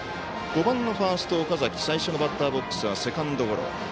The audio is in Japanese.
５番のファースト岡崎最初のバッターボックスはセカンドゴロ。